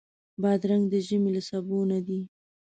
بادرنګ د ژمي له سبو نه دی.